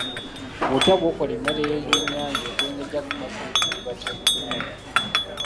Butya bw'okola emmere y'ebyennyanja etengejja ku mazzi mu kidiba ky'ebyennyanja?